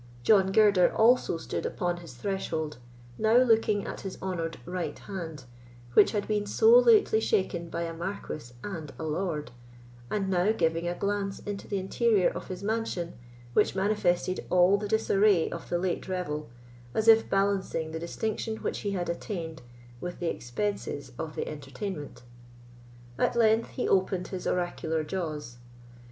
John Girder also stood upon his threshold, now looking at his honoured right hand, which had been so lately shaken by a marquis and a lord, and now giving a glance into the interior of his mansion, which manifested all the disarray of the late revel, as if balancing the distinction which he had attained with the expenses of the entertainment. At length he opened his oracular jaws.